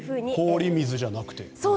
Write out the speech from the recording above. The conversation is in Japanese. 氷水ではなくて。